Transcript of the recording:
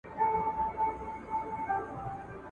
یوه ورخ توتکۍ والوته دباندي `